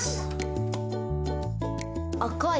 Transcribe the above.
赤い。